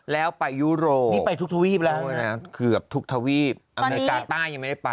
เทวีบอเมริกาใต้ยังไม่ได้ไป